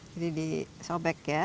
jadi disobek ya